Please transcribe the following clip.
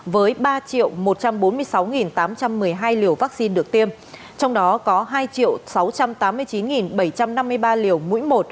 với ba một trăm bốn mươi sáu tám trăm một mươi hai liều vaccine được tiêm trong đó có hai sáu trăm tám mươi chín bảy trăm năm mươi ba liều mũi một